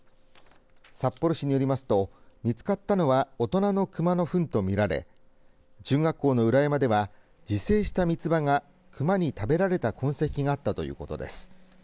札幌市によりますと見つかったのは大人の熊のふんと見られ中学校の裏山では自生したみつばが熊に食べられた痕跡があったということです。